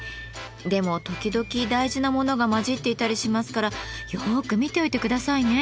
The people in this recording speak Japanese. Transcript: でも時々大事なものが交じっていたりしますからよく見ておいてくださいね。